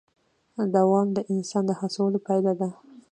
دوام د انسان د هڅو پایله ده.